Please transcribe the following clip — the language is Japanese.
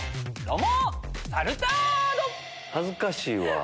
恥ずかしいわ。